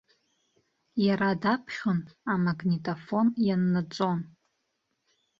Иара даԥхьон, амагнитафон ианнаҵон.